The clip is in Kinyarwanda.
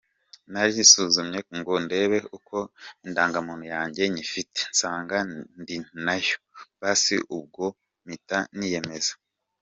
Narisuzumye ngo ndebe ko indangamuntu yanjye nyifite, nsanga ndi nayo, basi ubwo mpita niyemeza.